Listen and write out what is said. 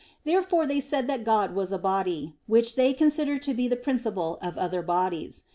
Therefore they said that God was a body, which they considered to be the principle of other bodies.